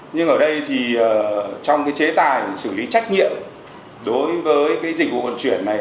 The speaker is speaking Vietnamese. nhưng ở đây thì trong chế tài xử lý trách nhiệm đối với dịch vụ vận chuyển này